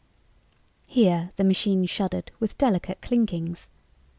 Here the machine shuddered with delicate clinkings.